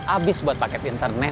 abis buat paket internet